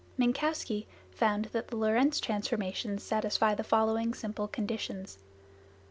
Minkowski found that the Lorentz transformations satisfy the following simple conditions.